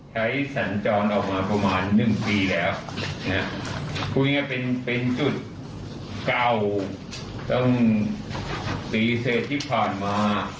ใช้สันจรออกมาประมาณหนึ่งปีแล้วเองครับแล้วเป็นเป็นกรุ่นเก่าตรงปีสื้อที่ผ่านมา